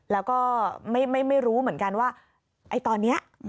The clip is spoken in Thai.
แล้วก็ไม่รู้เหมือนกันว่าไอ้ตอนนี้